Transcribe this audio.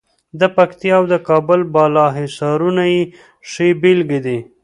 د پکتیا او د کابل بالا حصارونه یې ښې بېلګې دي.